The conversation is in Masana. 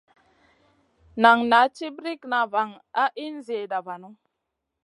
Nan naʼ ci brikŋa van a in zida vanu.